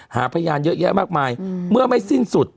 หาพยานเยอะแยะมากมายเมื่อไม่สิ้นสุด